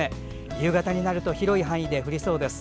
夕方になると広い範囲で降りそうです。